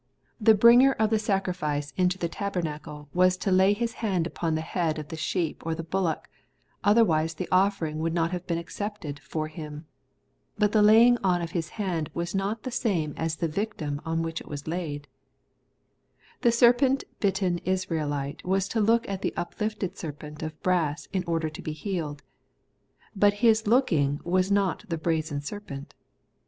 The briQger of the sacrifice into the tabernacle Not Faith, hut Christ 109 was to lay his hand upon the head of the sheep or the bullock, otherwise the offering would not have been accepted for him. But the laying on of his hand was not the same as the victim on which it was laid. The serpent bitten Israelite was to look at the uplifted serpent of brass in order to be healed. But his looking was not the brazen serpent.